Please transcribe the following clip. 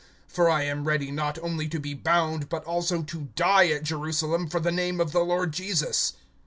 For I am ready not only to be bound, but also to die at Jerusalem, for the name of the Lord Jesus.